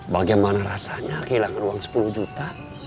bagaimana rasanya kehilangan uang sepuluh juta